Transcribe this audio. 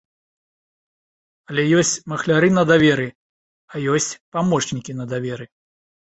Але ёсць махляры на даверы, а ёсць памочнікі на даверы.